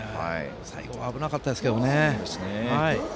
最後は危なかったですけどね。